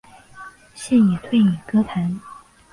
现已退隐歌坛。